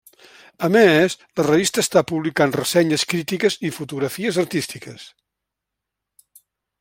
A més, la revista està publicant ressenyes crítiques i fotografies artístiques.